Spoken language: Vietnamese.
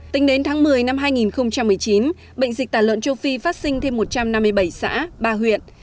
tính đến tháng một mươi năm hai nghìn một mươi chín bệnh dịch tả lợn châu phi phát sinh thêm một trăm năm mươi bảy xã ba huyện